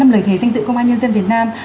năm lời thề danh dự công an nhân dân việt nam